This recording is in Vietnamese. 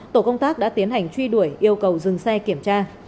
tổ công tác đã tiến hành truy đuổi yêu cầu dừng xe kiểm tra